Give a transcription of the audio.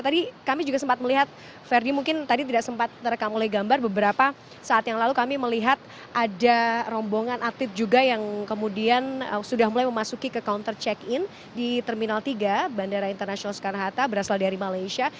tadi kami juga sempat melihat ferdi mungkin tadi tidak sempat terekam oleh gambar beberapa saat yang lalu kami melihat ada rombongan atlet juga yang kemudian sudah mulai memasuki ke counter check in di terminal tiga bandara internasional soekarno hatta berasal dari malaysia